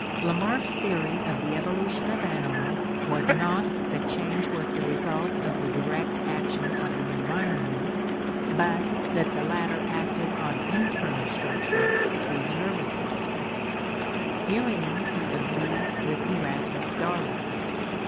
Lamarck's theory of the evolution of animals was not that change was the result of the direct action of the environment, but that the latter acted on internal structure through the nervous system. Herein he agrees with Erasmus Darwin.